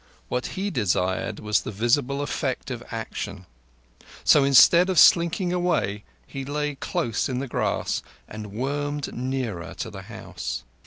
What he desired was the visible effect of action; so, instead of slinking away, he lay close in the grass and wormed nearer to the house.